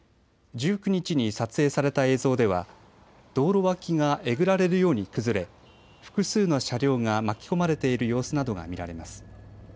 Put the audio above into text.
１９日に撮影された映像では道路脇がえぐられるように崩れ複数の車両が巻き込まれている様子などが見られます。